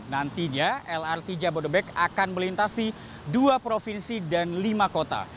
nantinya lrt jabodebek akan melintasi dua provinsi dan lima kota